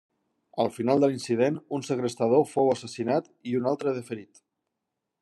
Al final de l'incident, un segrestador fou assassinat i un altre de ferit.